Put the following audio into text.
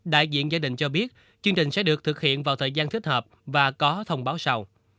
đại diện gia đình cho biết chương trình sẽ được thực hiện vào thời gian thích hợp và có thông báo sau